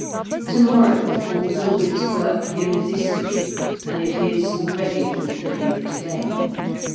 To morrow fulfils its work irresistibly, and it is already fulfilling it to day.